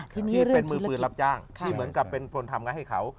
ทีนี้เป็นมือปืนรับจ้างที่เหมือนกับเป็นคนทำงานให้เขา